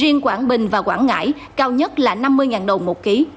riêng quảng bình và quảng ngãi cao nhất là năm mươi đồng một ký